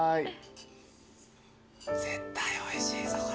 ・絶対おいしいぞこれ。